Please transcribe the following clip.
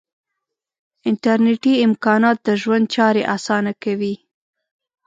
انټرنیټي امکانات د ژوند چارې آسانه کوي.